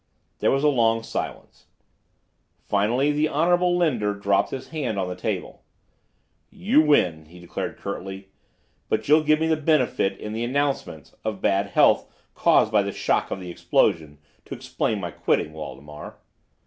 There was a long silence. Finally the Honorable Linder dropped his hand on the table. "You win," he declared curtly. "But you'll give me the benefit, in the announcement, of bad health caused by the shock of the explosion, to explain my quitting, Waldemar?"